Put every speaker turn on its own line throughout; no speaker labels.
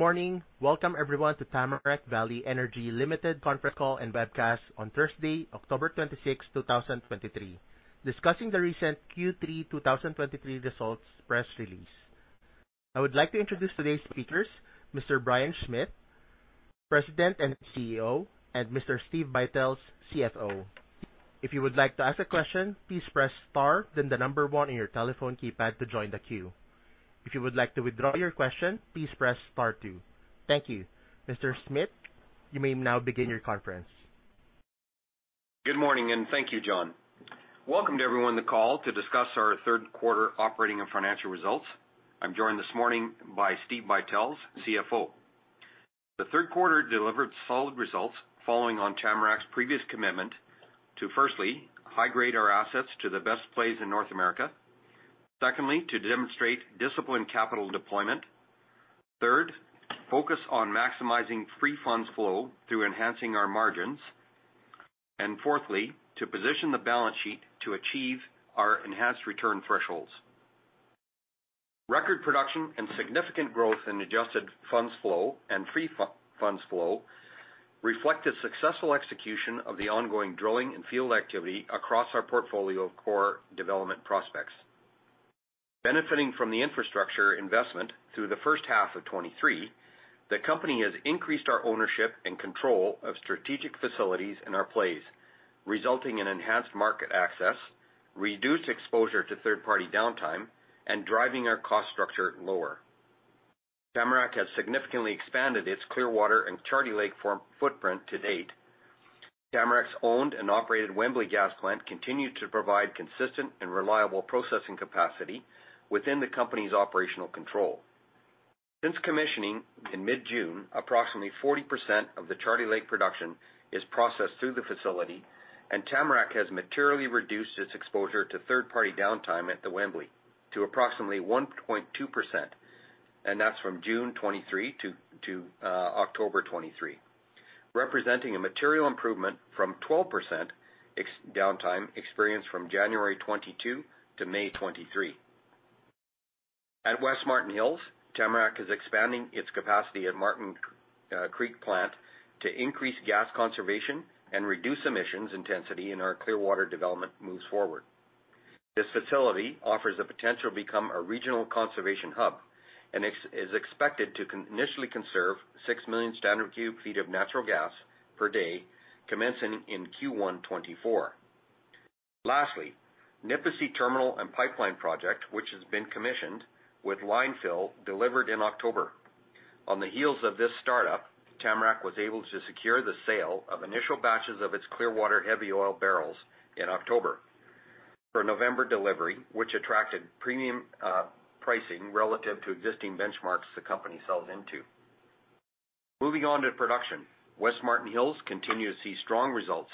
Good morning! Welcome everyone to Tamarack Valley Energy Ltd. conference call and webcast on Thursday, October 26, 2023, discussing the recent Q3 2023 results press release. I would like to introduce today's speakers, Mr. Brian Schmidt, President and CEO, and Mr. Steve Buytels, CFO. If you would like to ask a question, please press star one on your telephone keypad to join the queue. If you would like to withdraw your question, please press star two. Thank you. Mr. Schmidt, you may now begin your conference.
Good morning, and thank you, John. Welcome to everyone on the call to discuss our Q3 operating and financial results. I'm joined this morning by Steve Buytels, CFO. The Q3 delivered solid results, following on Tamarack's previous commitment to, firstly, high-grade our assets to the best plays in North America. Secondly, to demonstrate disciplined capital deployment. Third, focus on maximizing free funds flow through enhancing our margins. And fourthly, to position the balance sheet to achieve our enhanced return thresholds. Record production and significant growth in adjusted funds flow and free funds flow reflected successful execution of the ongoing drilling and field activity across our portfolio of core development prospects. Benefiting from the infrastructure investment through the H1 of 2023, the company has increased our ownership and control of strategic facilities in our plays, resulting in enhanced market access, reduced exposure to third-party downtime, and driving our cost structure lower. Tamarack has significantly expanded its Clearwater and Charlie Lake form footprint to date. Tamarack's owned and operated Wembley Gas Plant continued to provide consistent and reliable processing capacity within the company's operational control. Since commissioning in mid-June, approximately 40% of the Charlie Lake production is processed through the facility, and Tamarack has materially reduced its exposure to third-party downtime at the Wembley to approximately 1.2%, and that's from June 2023 to October 2023. Representing a material improvement from 12% ex-downtime experienced from January 2022 to May 2023. At West Marten Hills, Tamarack is expanding its capacity at Marten Creek Plant to increase gas conservation and reduce emissions intensity in our Clearwater development moves forward. This facility offers the potential to become a regional conservation hub and is expected to initially conserve 6 million standard cubic feet of natural gas per day, commencing in Q1 2024. Lastly, Nipisi Terminal and Pipeline Project, which has been commissioned, with linefill delivered in October. On the heels of this startup, Tamarack was able to secure the sale of initial batches of its Clearwater heavy oil barrels in October for November delivery, which attracted premium pricing relative to existing benchmarks the company sells into. Moving on to production. West Marten Hills continue to see strong results,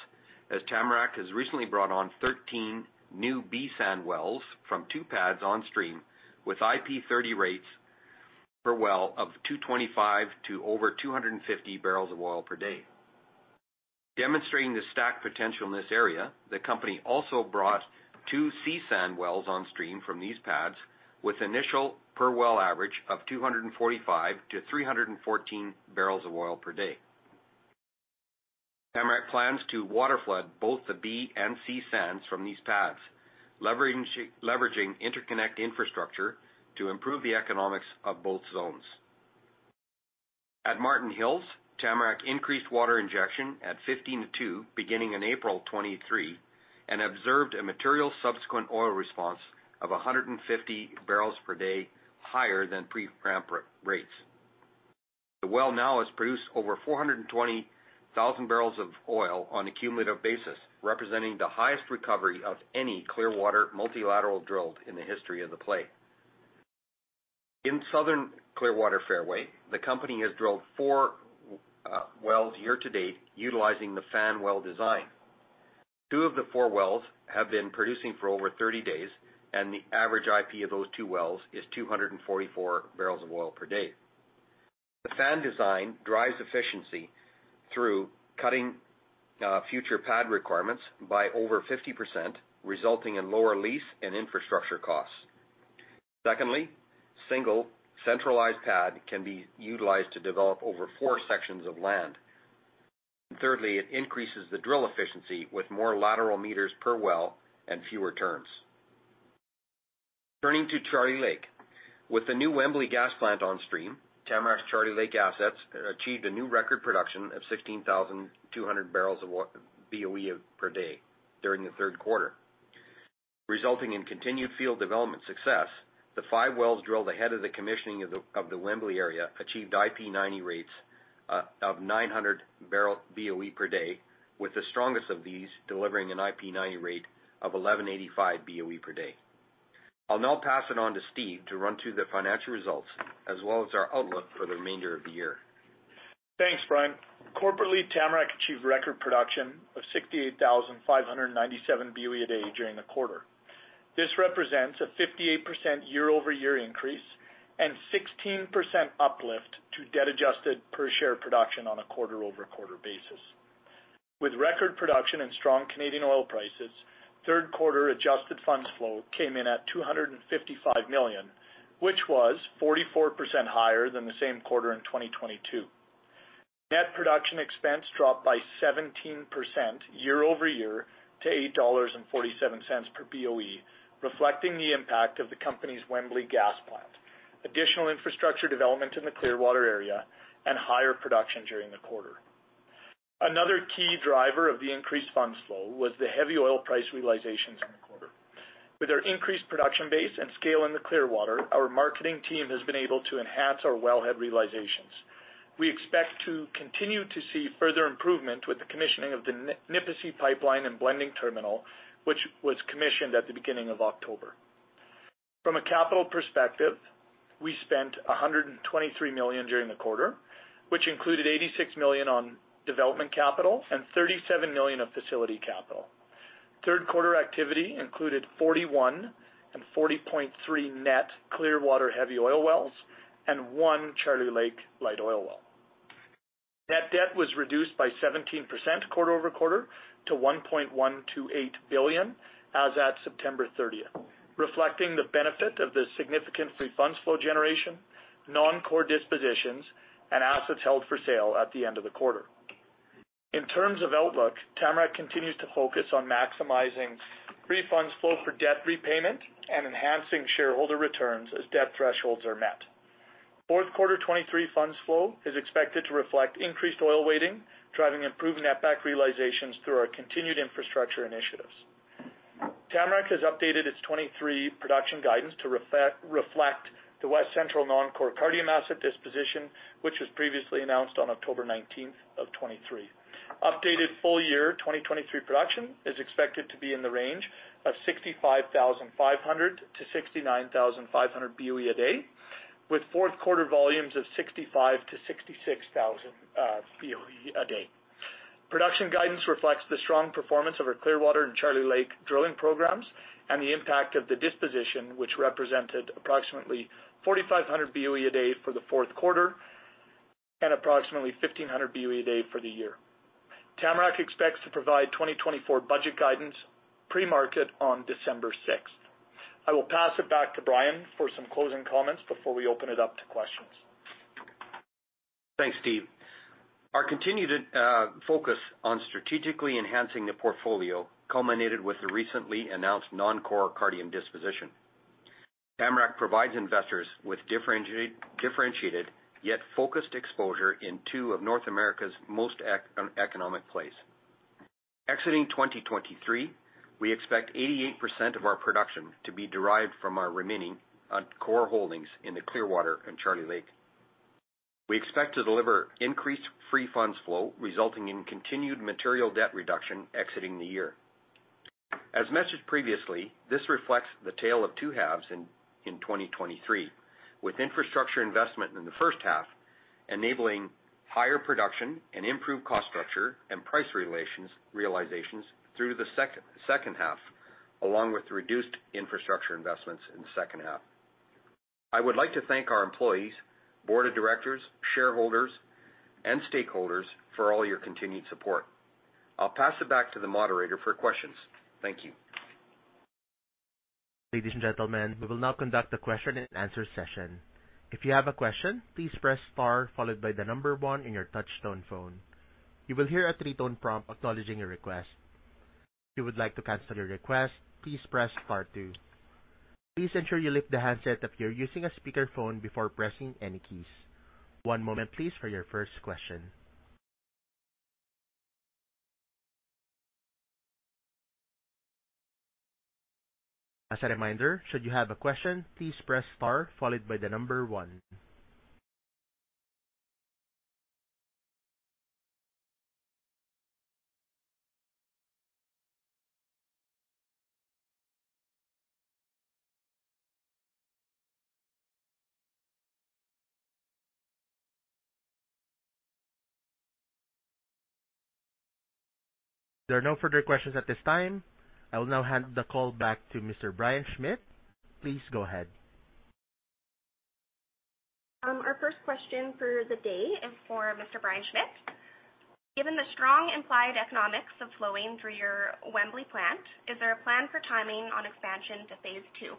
as Tamarack has recently brought on 13 new B sand wells from two pads on stream, with IP30 rates per well of 225 to over 250 barrels of oil per day. Demonstrating the stack potential in this area, the company also brought two C sand wells on stream from these pads, with initial per well average of 245-314 barrels of oil per day. Tamarack plans to waterflood both the B and C sands from these pads, leveraging interconnect infrastructure to improve the economics of both zones. At Marten Hills, Tamarack increased water injection at 15-2, beginning in April 2023, and observed a material subsequent oil response of 150 barrels per day higher than pre-ramp rates. The well now has produced over 420,000 barrels of oil on a cumulative basis, representing the highest recovery of any Clearwater multilateral drilled in the history of the play. In southern Clearwater Fairway, the company has drilled 4 wells year to date, utilizing the fan well design. Two of the 4 wells have been producing for over 30 days, and the average IP of those two wells is 244 barrels of oil per day. The fan design drives efficiency through cutting future pad requirements by over 50%, resulting in lower lease and infrastructure costs. Secondly, single centralized pad can be utilized to develop over 4 sections of land. And thirdly, it increases the drill efficiency with more lateral meters per well and fewer turns. Turning to Charlie Lake. With the new Wembley gas plant on stream, Tamarack's Charlie Lake assets achieved a new record production of 16,200 barrels of BOE per day during the Q3. Resulting in continued field development success, the five wells drilled ahead of the commissioning of the Wembley area achieved IP90 rates of 900 barrel BOE per day, with the strongest of these delivering an IP90 rate of 1,185 BOE per day. I'll now pass it on to Steve to run through the financial results, as well as our outlook for the remainder of the year.
Thanks, Brian. Corporately, Tamarack achieved record production of 68,597 BOE a day during the quarter. This represents a 58% year-over-year increase and 16% uplift to debt-adjusted per share production on a quarter-over-quarter basis. ...With record production and strong Canadian oil prices, Q3 adjusted funds flow came in at $255 million, which was 44% higher than the same quarter in 2022. Net production expense dropped by 17% year-over-year to $8.47 per BOE, reflecting the impact of the company's Wembley gas plant, additional infrastructure development in the Clearwater area, and higher production during the quarter. Another key driver of the increased funds flow was the heavy oil price realizations in the quarter. With our increased production base and scale in the Clearwater, our marketing team has been able to enhance our wellhead realizations. We expect to continue to see further improvement with the commissioning of the Nipisi pipeline and blending terminal, which was commissioned at the beginning of October. From a capital perspective, we spent $123 million during the quarter, which included $86 million on development capital and $37 million of facility capital. Q3 activity included 41 and 40.3 net Clearwater heavy oil wells and 1 Charlie Lake light oil well. Net debt was reduced by 17% quarter-over-quarter to $1.128 billion as at September 30th, reflecting the benefit of the significant free funds flow generation, non-core dispositions, and assets held for sale at the end of the quarter. In terms of outlook, Tamarack continues to focus on maximizing free funds flow for debt repayment and enhancing shareholder returns as debt thresholds are met.Q4 2023 funds flow is expected to reflect increased oil weighting, driving improved netback realizations through our continued infrastructure initiatives. Tamarack has updated its 2023 production guidance to reflect the West Central non-core Cardium asset disposition, which was previously announced on October 19, 2023. Updated full year 2023 production is expected to be in the range of 65,500-69,500 BOE a day, with Q4 volumes of 65,000-66,000 BOE a day. Production guidance reflects the strong performance of our Clearwater and Charlie Lake drilling programs and the impact of the disposition, which represented approximately 4,500 BOE a day for the Q4 and approximately 1,500 BOE a day for the year. Tamarack expects to provide 2024 budget guidance pre-market on December 6. I will pass it back to Brian for some closing comments before we open it up to questions.
Thanks, Steve. Our continued focus on strategically enhancing the portfolio culminated with the recently announced non-core Cardium disposition. Tamarack provides investors with differentiated yet focused exposure in two of North America's most economic plays. Exiting 2023, we expect 88% of our production to be derived from our remaining core holdings in the Clearwater and Charlie Lake. We expect to deliver increased free funds flow, resulting in continued material debt reduction exiting the year. As mentioned previously, this reflects the tale of two halves in 2023, with infrastructure investment in the H1 enabling higher production and improved cost structure and price realizations through the H2 along with reduced infrastructure investments in the H2. I would like to thank our employees, board of directors, shareholders, and stakeholders for all your continued support. I'll pass it back to the moderator for questions. Thank you.
Ladies and gentlemen, we will now conduct a question and answer session. If you have a question, please press star, followed by the number one on your touchtone phone. You will hear a three-tone prompt acknowledging your request. If you would like to cancel your request, please press star two. Please ensure you lift the handset if you're using a speakerphone before pressing any keys. One moment please, for your first question. As a reminder, should you have a question, please press star followed by the number one. There are no further questions at this time. I will now hand the call back to Mr. Brian Schmidt. Please go ahead.
Our first question for the day is for Mr. Brian Schmidt. Given the strong implied economics of flowing through your Wembley plant, is there a plan for timing on expansion to phase two?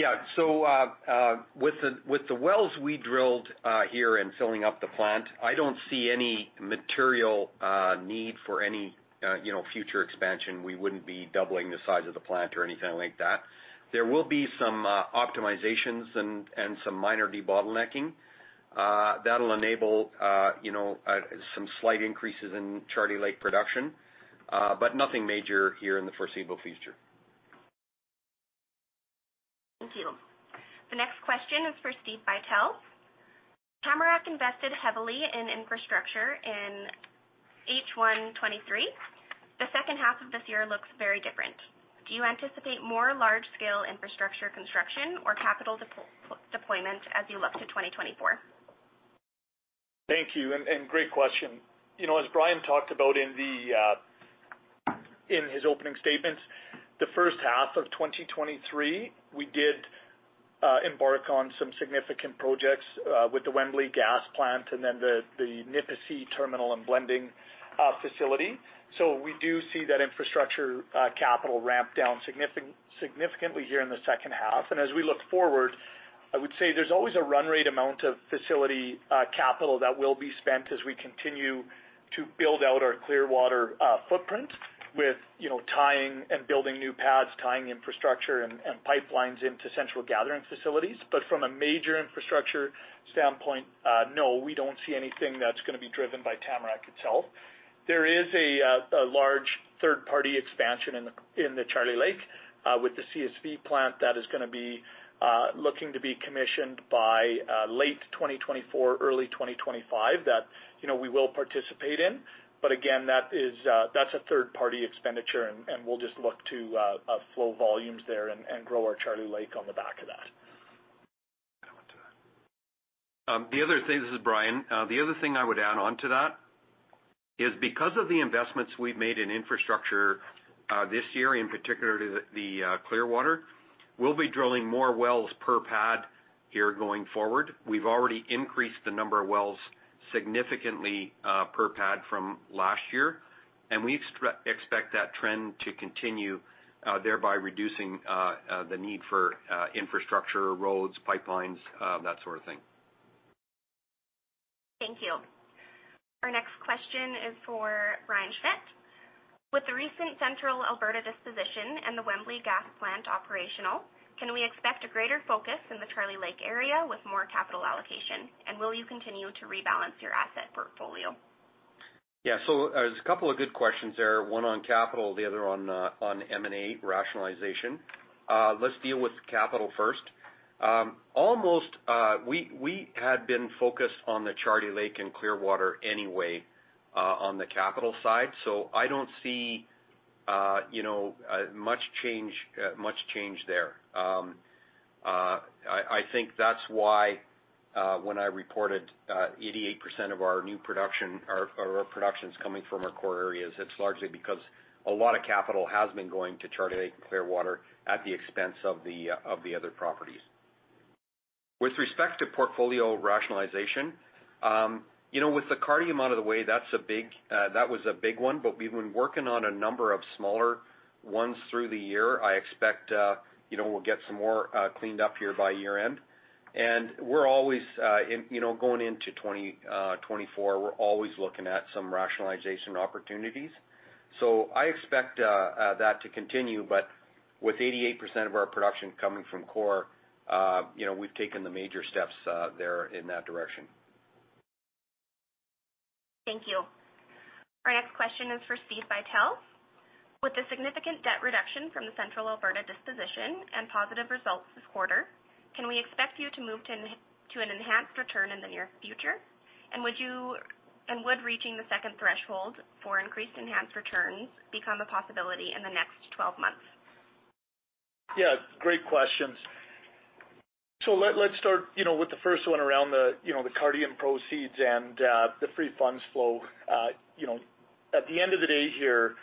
Yeah. So, with the wells we drilled here and filling up the plant, I don't see any material need for any, you know, future expansion. We wouldn't be doubling the size of the plant or anything like that. There will be some optimizations and some minor debottlenecking that'll enable, you know, some slight increases in Charlie Lake production, but nothing major here in the foreseeable future.
Thank you. The next question is for Steve Buytels. Tamarack invested heavily in infrastructure in H1 2023. The H2 of this year looks very different. Do you anticipate more large-scale infrastructure, construction or capital deployment as you look to 2024?
Thank you, great question. You know, as Brian talked about in his opening statements, the H1 of 2023, we did embark on some significant projects with the Wembley gas plant and then the Nipisi terminal and blending facility. So we do see that infrastructure capital ramp down significantly here in the H2. And as we look forward, I would say there's always a run rate amount of facility capital that will be spent as we continue to build out our Clearwater footprint with, you know, tying and building new pads, tying infrastructure and pipelines into central gathering facilities. But from a major infrastructure standpoint, no, we don't see anything that's gonna be driven by Tamarack itself. There is a large third-party expansion in the Charlie Lake with the CSV plant that is gonna be looking to be commissioned by late 2024, early 2025, that you know we will participate in. But again, that is that's a third-party expenditure, and we'll just look to flow volumes there and grow our Charlie Lake on the back of that.
This is Brian. The other thing I would add on to that is because of the investments we've made in infrastructure this year, in particular to the Clearwater, we'll be drilling more wells per pad here going forward. We've already increased the number of wells significantly per pad from last year, and we expect that trend to continue, thereby reducing the need for infrastructure, roads, pipelines, that sort of thing.
Thank you. Our next question is for Brian Schmidt. With the recent Central Alberta disposition and the Wembley gas plant operational, can we expect a greater focus in the Charlie Lake area with more capital allocation? And will you continue to rebalance your asset portfolio?
Yeah, so, there's a couple of good questions there. One on capital, the other on M&A rationalization. Let's deal with capital first. We had been focused on the Charlie Lake and Clearwater anyway, on the capital side, so I don't see, you know, much change there. I think that's why, when I reported, 88% of our new production or our production is coming from our core areas, it's largely because a lot of capital has been going to Charlie Lake and Clearwater at the expense of the other properties. With respect to portfolio rationalization, you know, with the Cardium out of the way, that was a big one, but we've been working on a number of smaller ones through the year. I expect, you know, we'll get some more cleaned up here by year-end. And we're always, you know, going into 2024, we're always looking at some rationalization opportunities. So I expect that to continue, but with 88% of our production coming from core, you know, we've taken the major steps there in that direction.
Thank you. Our next question is for Steve Buytels. With the significant debt reduction from the Central Alberta disposition and positive results this quarter, can we expect you to move to an enhanced return in the near future? And would reaching the second threshold for increased enhanced returns become a possibility in the next 12 months?
Yeah, great questions. So let's start, you know, with the first one around the, you know, the Cardium proceeds and the free funds flow. You know, at the end of the day here,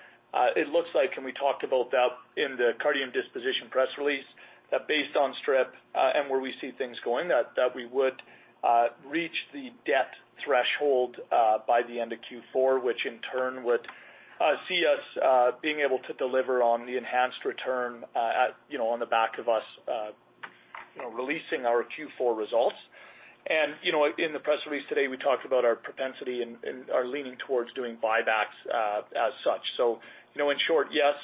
it looks like, and we talked about that in the Cardium disposition press release, that based on strip and where we see things going, that we would reach the debt threshold by the end of Q4, which in turn would see us being able to deliver on the enhanced return at, you know, on the back of us, you know, releasing our Q4 results. And, you know, in the press release today, we talked about our propensity and are leaning towards doing buybacks as such. So, you know, in short, yes,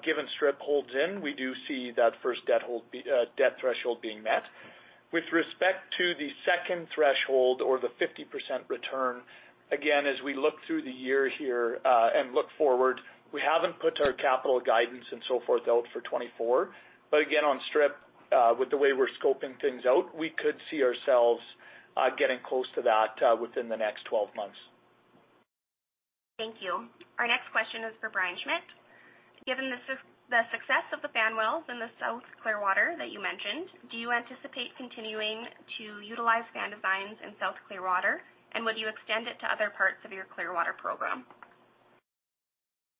given strip pricing, we do see that first debt threshold being met. With respect to the second threshold or the 50% return, again, as we look through the year here, and look forward, we haven't put our capital guidance and so forth out for 2024. But again, on strip pricing, with the way we're scoping things out, we could see ourselves getting close to that, within the next 12 months.
Thank you. Our next question is for Brian Schmidt. Given the the success of the Fan wells in the South Clearwater that you mentioned, do you anticipate continuing to utilize Fan designs in South Clearwater? And would you extend it to other parts of your Clearwater program?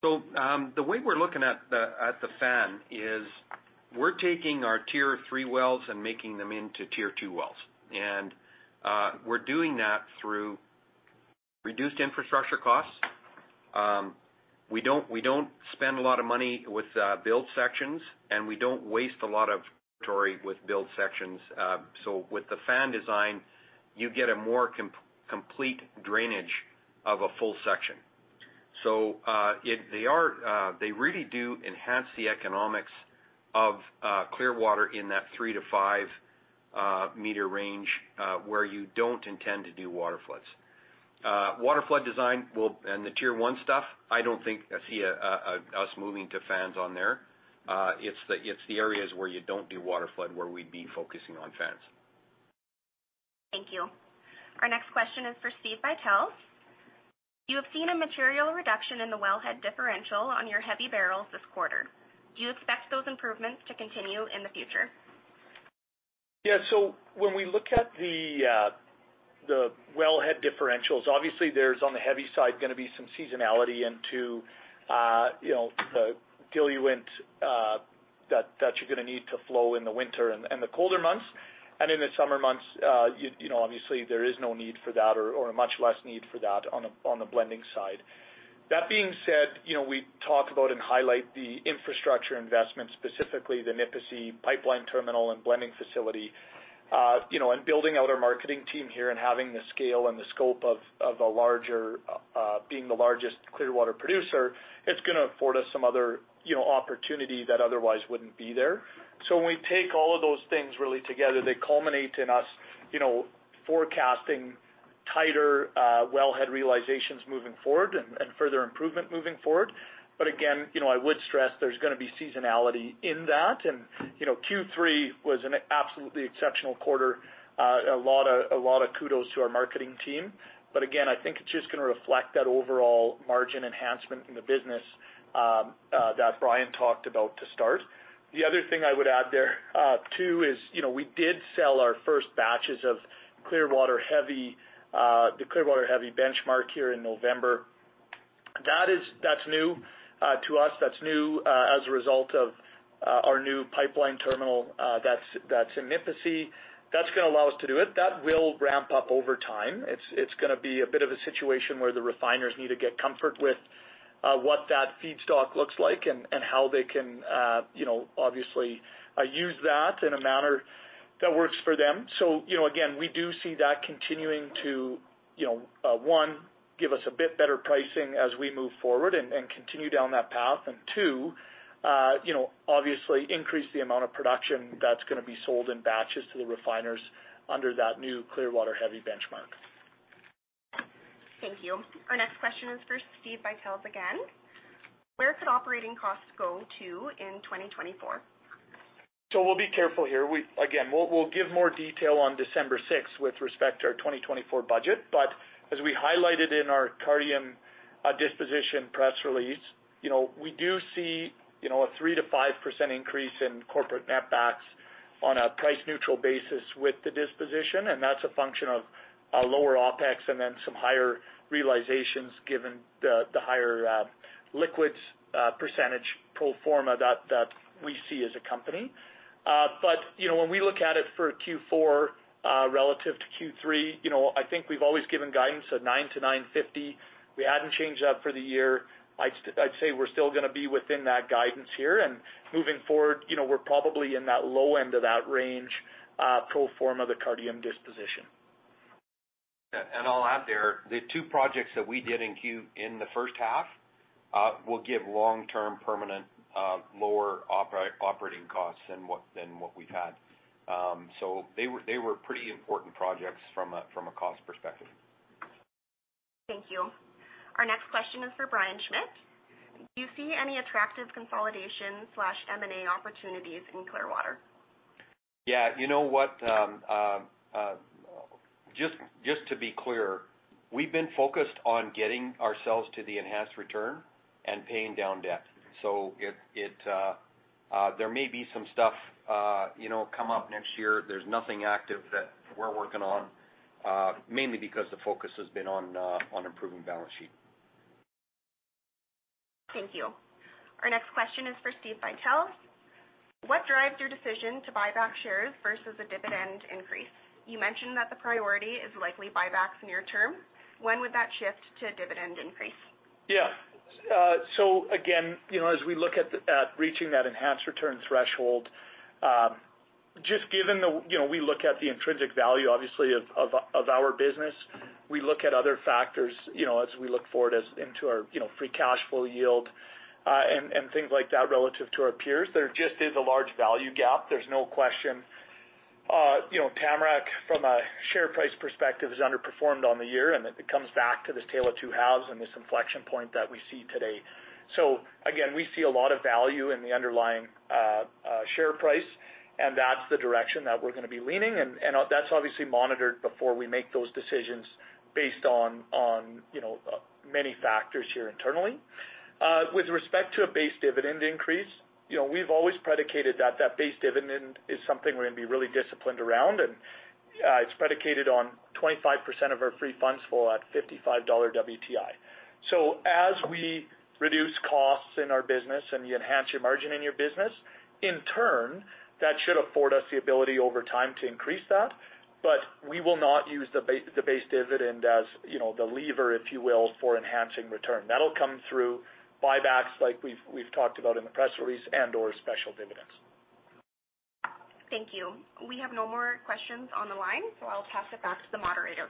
The way we're looking at the fan is we're taking our Tier 3 wells and making them into Tier 2 wells, and we're doing that through reduced infrastructure costs. We don't spend a lot of money with build sections, and we don't waste a lot of inventory with build sections. With the fan design, you get a more complete drainage of a full section. They really do enhance the economics of Clearwater in that 3-5 meter range, where you don't intend to do waterfloods. Waterflood design will-- and the Tier 1 stuff, I don't think I see us moving to fans on there. It's the areas where you don't do waterflood, where we'd be focusing on fans.
Thank you. Our next question is for Steve Buytels. You have seen a material reduction in the wellhead differential on your heavy barrels this quarter. Do you expect those improvements to continue in the future?...
Yeah, so when we look at the wellhead differentials, obviously there's, on the heavy side, gonna be some seasonality into, you know, the diluent that you're gonna need to flow in the winter and the colder months. And in the summer months, you know, obviously there is no need for that or a much less need for that on the blending side. That being said, you know, we talk about and highlight the infrastructure investment, specifically the Nipisi pipeline terminal and blending facility. You know, and building out our marketing team here and having the scale and the scope of a larger, being the largest Clearwater producer, it's gonna afford us some other opportunity that otherwise wouldn't be there. So when we take all of those things really together, they culminate in us, you know, forecasting tighter wellhead realizations moving forward and further improvement moving forward. But again, you know, I would stress there's gonna be seasonality in that. And, you know, Q3 was an absolutely exceptional quarter. A lot of kudos to our marketing team. But again, I think it's just gonna reflect that overall margin enhancement in the business that Brian talked about to start. The other thing I would add there too is, you know, we did sell our first batches of Clearwater heavy, the Clearwater heavy benchmark here in November. That is. That's new to us. That's new as a result of our new pipeline terminal that's in Nipisi. That's gonna allow us to do it. That will ramp up over time. It's gonna be a bit of a situation where the refiners need to get comfort with what that feedstock looks like and how they can you know obviously use that in a manner that works for them. So, you know, again, we do see that continuing to you know one give us a bit better pricing as we move forward and continue down that path. And two, you know, obviously increase the amount of production that's gonna be sold in batches to the refiners under that new Clearwater heavy benchmark.
Thank you. Our next question is for Steve Buytels again. Where could operating costs go to in 2024?
So we'll be careful here. Again, we'll give more detail on December sixth with respect to our 2024 budget. But as we highlighted in our Cardium disposition press release, you know, we do see, you know, a 3%-5% increase in corporate netbacks on a price neutral basis with the disposition, and that's a function of a lower OpEx and then some higher realizations, given the higher liquids percentage pro forma that we see as a company. But, you know, when we look at it for Q4 relative to Q3, you know, I think we've always given guidance of $9- $9.50. We hadn't changed that for the year. I'd say we're still gonna be within that guidance here. Moving forward, you know, we're probably in that low end of that range, pro forma, the Cardium disposition.
And I'll add there, the two projects that we did in the H1 will give long-term, permanent, lower operating costs than what we've had. So they were pretty important projects from a cost perspective.
Thank you. Our next question is for Brian Schmidt. Do you see any attractive consolidation slash M&A opportunities in Clearwater?
Yeah, you know what? Just to be clear, we've been focused on getting ourselves to the enhanced return and paying down debt. So there may be some stuff, you know, come up next year. There's nothing active that we're working on, mainly because the focus has been on improving balance sheet.
Thank you. Our next question is for Steve Buytels. What drives your decision to buy back shares versus a dividend increase? You mentioned that the priority is likely buybacks near term. When would that shift to a dividend increase?
Yeah. So again, you know, as we look at reaching that enhanced return threshold, just given the... You know, we look at the intrinsic value, obviously, of our business. We look at other factors, you know, as we look forward into our, you know, free cash flow yield, and things like that relative to our peers. There just is a large value gap, there's no question. You know, Tamarack, from a share price perspective, has underperformed on the year, and it comes back to this tale of two halves and this inflection point that we see today. So again, we see a lot of value in the underlying share price, and that's the direction that we're gonna be leaning, and that's obviously monitored before we make those decisions based on, you know, many factors here internally. With respect to a base dividend increase, you know, we've always predicated that that base dividend is something we're gonna be really disciplined around, and it's predicated on 25% of our free funds flow at $55 WTI. So as we reduce costs in our business and you enhance your margin in your business, in turn, that should afford us the ability over time to increase that. But we will not use the base dividend, as, you know, the lever, if you will, for enhancing return. That'll come through buybacks like we've talked about in the press release and/or special dividends.
Thank you. We have no more questions on the line, so I'll pass it back to the moderator.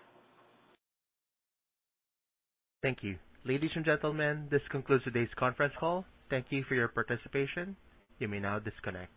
Thank you. Ladies and gentlemen, this concludes today's conference call. Thank you for your participation. You may now disconnect.